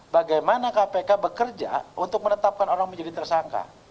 bagaimana kpk bekerja untuk menetapkan orang menjadi tersangka